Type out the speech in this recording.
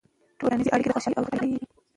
ټولنیزې اړیکې د خوشحالۍ او روغتیا کلیدي دي.